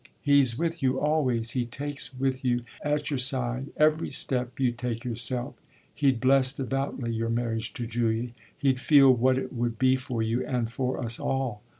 He's with you always; he takes with you, at your side, every step you take yourself. He'd bless devoutly your marriage to Julia; he'd feel what it would be for you and for us all.